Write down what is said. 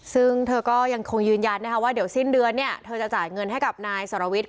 ซึ่งเธอก็ยังคงยืนยันนะคะว่าเดี๋ยวสิ้นเดือนเนี่ยเธอจะจ่ายเงินให้กับนายสรวิทย